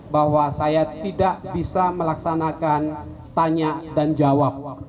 bahwa saya tidak bisa melaksanakan tanya dan jawab